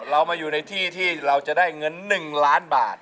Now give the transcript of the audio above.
เรามาอยู่ในที่ที่เราจะได้เงิน๑ล้านบาท